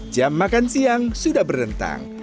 jam makan siang sudah berdentang